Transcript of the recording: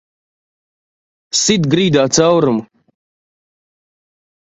Sit grīdā caurumu!